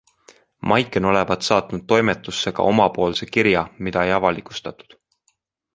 Maiken olevat saatnud toimetusse ka omapoolse kirja, mida ei avalikustatud.